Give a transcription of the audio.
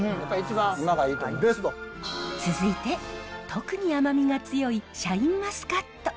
続いて特に甘みが強いシャインマスカット。